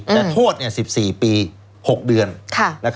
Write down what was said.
แต่โทษ๑๔ปี๖เดือน